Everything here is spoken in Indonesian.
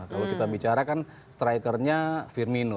kalau kita bicara kan strikernya firmino